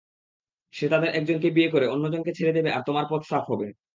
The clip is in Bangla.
সে তাদের একজনকে বিয়ে করে অন্যজনকে ছেড়ে দেবে আর তোমার পথ সাফ হবে।